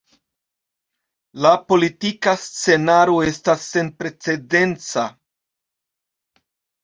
La politika scenaro estas senprecedenca.